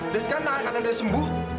dan sekarang tangan kanan dia sembuh